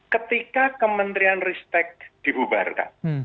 ketika kementerian risetek dibubarkan